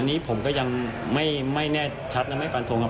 อันนี้ผมก็ยังไม่แน่ชัดนะไม่ฝันทรงนะ